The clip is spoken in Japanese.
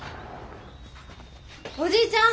おじいちゃん。